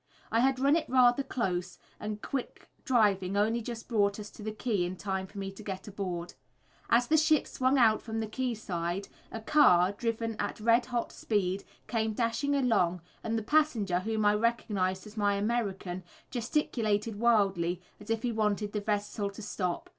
I had run it rather close, and quick driving only just brought us to the quay in time for me to get aboard. As the ship swung out from the quay side, a car, driven at red hot speed, came dashing along, and the passenger, whom I recognised as my American, gesticulated wildly, as if he wanted the vessel to stop.